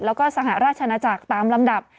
แล้วก็สหราชนาจักรตามลำดับ